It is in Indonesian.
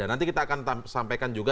dan nanti kita akan sampaikan juga